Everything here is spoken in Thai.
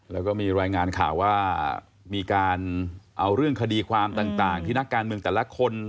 แล้วก็มีรายงานข่าวว่ามีการเอาเรื่องคดีความต่างที่นักการเมืองแต่ละคน